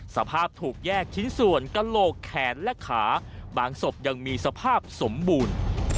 สภาพถูกแยกชิ้นส่วนกระโหลกแขนและขาบางศพยังมีสภาพสมบูรณ์